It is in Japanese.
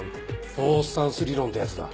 フォースタンス理論ってやつだ。